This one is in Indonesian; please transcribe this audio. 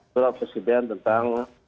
surat presiden tentang